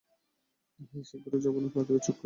হেই, শীঘ্রই যৌবনে পা দেবে, ছোকরা।